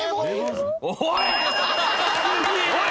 おい！